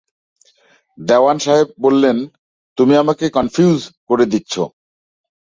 দেওয়ান সাহেব বললেন, তুমি আমাকে কনফিউজ করে দিচ্ছ।